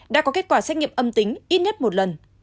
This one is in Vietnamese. đã có kết quả xét nghiệm âm tính ít nhất một lần